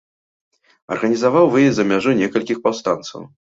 Арганізаваў выезд за мяжу некалькіх паўстанцаў.